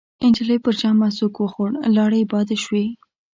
نجلۍ پر ژامه سوک وخوړ، لاړې يې باد شوې.